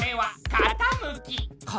かたむき？